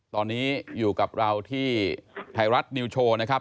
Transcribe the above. ตอนนี้อยู่กับเราที่ไทยรัฐนิวโชว์นะครับ